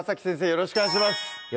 よろしくお願いします